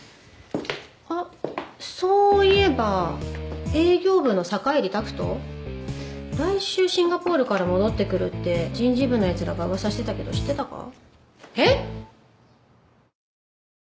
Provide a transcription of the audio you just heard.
あっそういえば営業部の坂入拓人？来週シンガポールから戻ってくるって人事部のやつらがうわさしてたけど知ってたか？